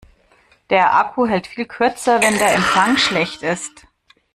Der Akku hält viel kürzer, wenn der Empfang schlecht ist.